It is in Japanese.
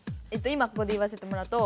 今ここで言わせてもらうと。